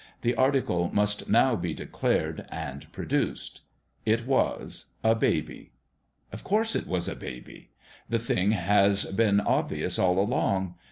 The article must now be de clared and produced. It was a baby. Of course, it was a baby ! The thing has been obvious all along.